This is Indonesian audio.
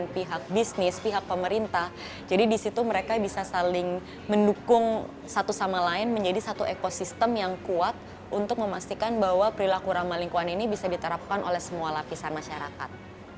pihak bisnis pihak pemerintah jadi disitu mereka bisa saling mendukung satu sama lain menjadi satu ekosistem yang kuat untuk memastikan bahwa perilaku ramah lingkungan ini bisa diterapkan oleh semua lapisan masyarakat